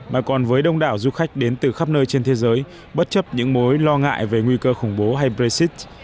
mà còn với đông đảo du khách đến từ khắp nơi trên thế giới bất chấp những mối lo ngại về nguy cơ khủng bố hay brexit